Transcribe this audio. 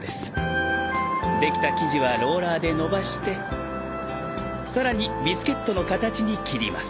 できた生地はローラーで伸ばしてさらにビスケットの形に切ります。